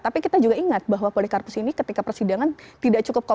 tapi kita juga ingat bahwa polikarpus ini ketika persidangan tidak cukup